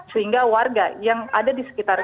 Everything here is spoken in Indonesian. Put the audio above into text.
sehingga warga yang ada di sekitar